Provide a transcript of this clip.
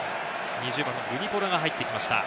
２０番のヴニポラが入ってきました。